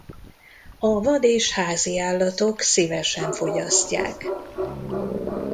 A vad- és háziállatok szívesen fogyasztják.